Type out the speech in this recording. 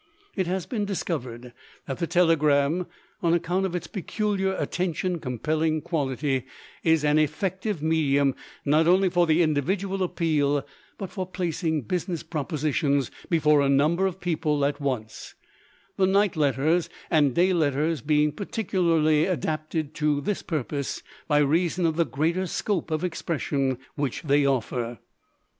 It has been discovered that the telegram, on account of its peculiar attention compelling quality, is an effective medium not only for the individual appeal, but for placing business propositions before a number of people at once, the night letters and day letters being particularly adapted to this purpose by reason of the greater scope of expression which they offer.